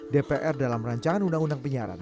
dpr dalam rancangan undang undang penyiaran